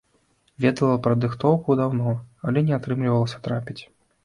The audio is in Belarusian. Ведала пра дыктоўку даўно, але не атрымлівалася трапіць.